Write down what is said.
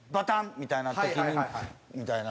みたいな時にみたいな。